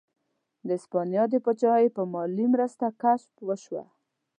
د هسپانیا د پاچاهۍ په مالي مرسته کشف وشوه.